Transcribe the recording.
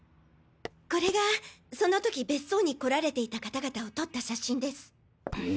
これがその時別荘に来られていた方々を撮った写真です。